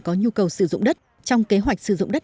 có nhu cầu sử dụng đất trong kế hoạch sử dụng đất